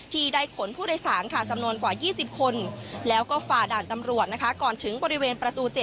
ที่ได้ขนผู้โดยสารค่ะจำนวนกว่า๒๐คนแล้วก็ฝ่าด่านตำรวจนะคะก่อนถึงบริเวณประตู๗